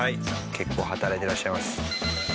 結構働いてらっしゃいます。